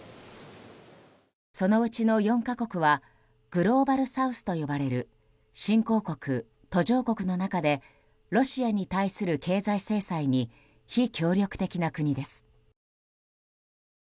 そのうちの４か国はグローバルサウスと呼ばれる新興国・途上国の中でロシアに対する経済制裁に非協力的な国です。